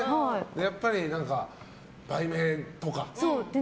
やっぱり売名とかって。